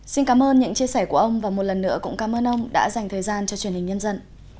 xin cảm ơn những chia sẻ của ông và một lần nữa cũng cảm ơn ông đã dành thời gian cho truyền hình nhân dân